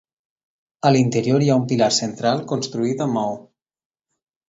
A l'interior hi ha un pilar central construït amb maó.